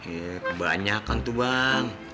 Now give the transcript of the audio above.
eh kebanyakan tuh bang